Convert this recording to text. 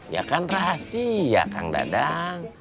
ya kan rahasia kang dadang